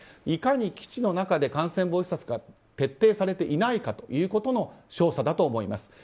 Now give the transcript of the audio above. いかに基地の中で感染防止策が徹底されていないかということの証左だと思います。